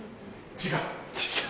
違う？